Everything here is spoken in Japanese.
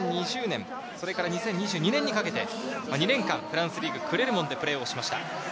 ２０２０年、２０２２年にかけて２年間、フランスリーグ、クレルモンでプレーをしました。